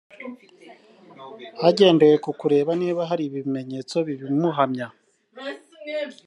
hagendewe ku kureba niba hari ibimenyetso bibimuhamya